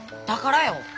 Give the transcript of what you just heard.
だからよ。